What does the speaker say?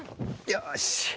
よし。